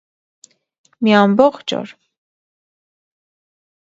Մի ամբո՜ղջ օր…